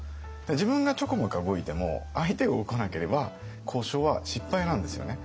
自分がちょこまか動いても相手が動かなければ交渉は失敗なんですよね。